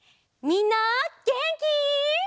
みんなげんき？